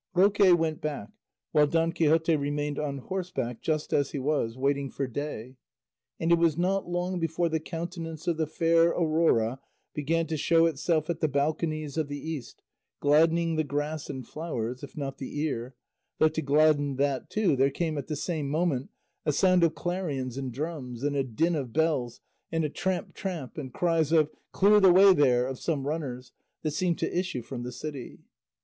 Roque went back, while Don Quixote remained on horseback, just as he was, waiting for day, and it was not long before the countenance of the fair Aurora began to show itself at the balconies of the east, gladdening the grass and flowers, if not the ear, though to gladden that too there came at the same moment a sound of clarions and drums, and a din of bells, and a tramp, tramp, and cries of "Clear the way there!" of some runners, that seemed to issue from the city.